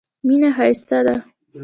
مینه ښایسته ده.